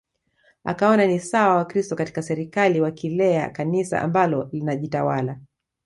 Akaona ni sawa Wakristo katika serikali wakilea Kanisa ambalo linajitawala